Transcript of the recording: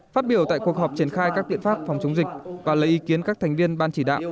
phát biểu tại cuộc họp triển khai các biện pháp phòng chống dịch và lấy ý kiến các thành viên ban chỉ đạo